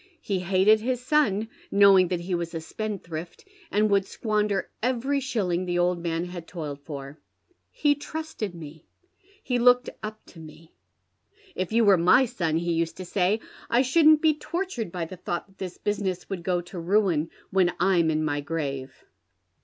He hated his son, knowing that he was a spendthrift, and would squander every shilling the old man had toiled for. He trusted me — he looked up to me. ' If you were my son,' he used to say, ' I shouldn't be tortured by the thought that this business would go to ruin when I'm in my grave.'